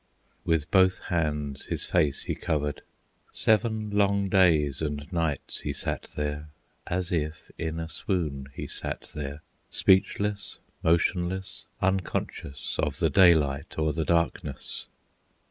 With both hands his face he covered, Seven long days and nights he sat there, As if in a swoon he sat there, Speechless, motionless, unconscious Of the daylight or the darkness.